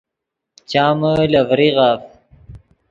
چامے لے ڤریغف